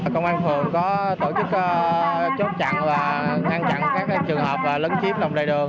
công an phường có tổ chức chốt chặn và ngăn chặn các trường hợp lấn chiếm lòng đầy đường